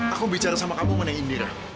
aku bicara sama kamu sama neng dinda